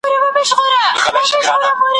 اوس به چاته اوښکي یوسو څه ناځوانه زندګي ده